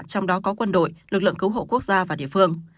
trong đó có quân đội lực lượng cứu hộ quốc gia và địa phương